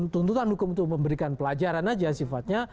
tuntutan hukum itu memberikan pelajaran saja sifatnya